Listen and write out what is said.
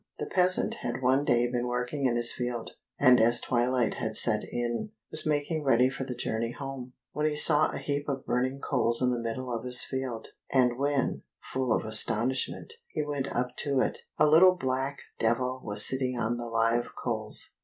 The peasant had one day been working in his field, and as twilight had set in, was making ready for the journey home, when he saw a heap of burning coals in the middle of his field, and when, full of astonishment, he went up to it, a little black devil was sitting on the live coals.